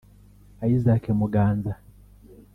Isaac Muganza